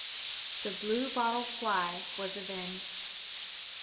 The blue bottle fly was avenged.